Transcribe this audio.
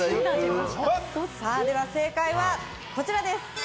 さぁ、では正解はこちらです。